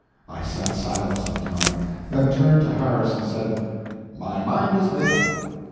I sat silent some time, then turned to Harris and said: "My mind is made up."